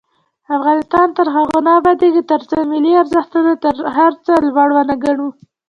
افغانستان تر هغو نه ابادیږي، ترڅو ملي ارزښتونه تر هر څه لوړ ونه ګڼو.